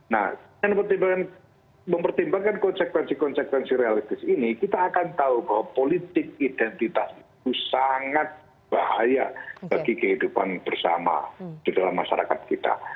nah dengan mempertimbangkan konsekuensi konsekuensi realistis ini kita akan tahu bahwa politik identitas itu sangat bahaya bagi kehidupan bersama di dalam masyarakat kita